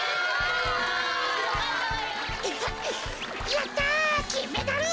やったきんメダル。